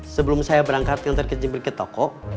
sebelum saya berangkat nanti ke jempol ke toko